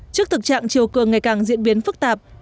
trước thực trạng chiều cường ngày càng diễn biến phức tạp